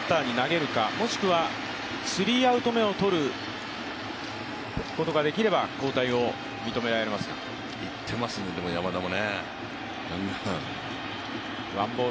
３人のバッターに投げるか、もしくはスリーアウト目をとることができればいっていますね、山田も。